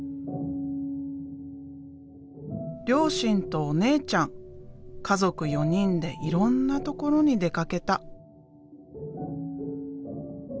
両親とお姉ちゃん家族４人でいろんなところに出かけた。